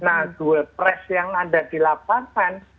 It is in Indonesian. nah dual press yang ada di lapangan